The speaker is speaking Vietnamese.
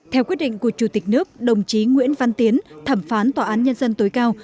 theo quyết định của chủ tịch nước đồng chí nguyễn văn tiến thẩm phán tòa án nhân dân tối cao